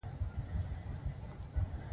په بې خوندو لغتونو یې خوند مه خرابوئ.